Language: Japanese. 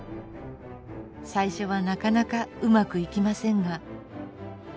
最初はなかなかうまくいきませんが。